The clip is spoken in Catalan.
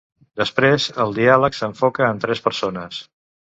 Després, el diàleg s'enfoca en tres persones: